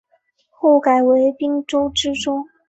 后改为滨州知州。